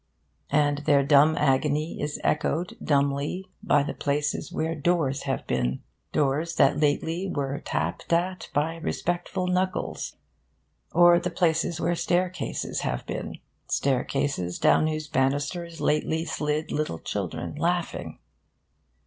And their dumb agony is echoed dumbly by the places where doors have been doors that lately were tapped at by respectful knuckles; or the places where staircases have been staircases down whose banisters lately slid little children, laughing.